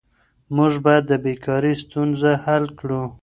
موږ باید د بیکارۍ ستونزه حل کړو.